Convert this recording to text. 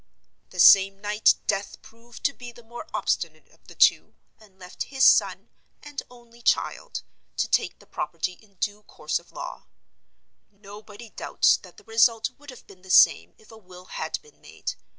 The same night Death proved to be the more obstinate of the two; and left his son (and only child) to take the property in due course of law. Nobody doubts that the result would have been the same if a will had been made.